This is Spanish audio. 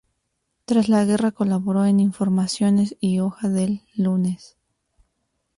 Tras la guerra colaboró en Informaciones y "Hoja del Lunes".